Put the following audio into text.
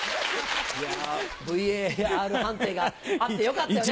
ＶＡＲ判定があってよかったよね！